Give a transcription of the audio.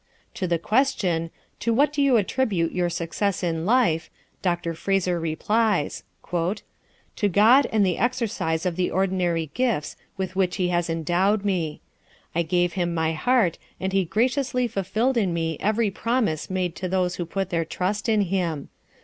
To the question, "To what do you attribute your success in life?" Dr. Fraser replies: "To God and the exercise of the ordinary gifts with which He has endowed me. I gave Him my heart, and He graciously fulfilled in me every promise made to those who put their trust in Him.